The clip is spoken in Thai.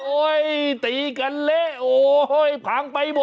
โอ๊นตีกันเล้ยโอ้เฮ้ยผ้างไปหมด